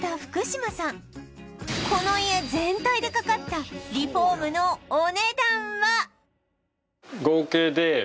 この家全体でかかったリフォームのお値段は？